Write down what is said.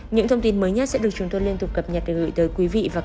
những thông tin mới nhất sẽ được chúng tôi liên tục cập nhật để gửi tới quý vị và các bạn